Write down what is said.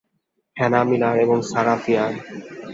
Hannah Miller এবং Sarah fear!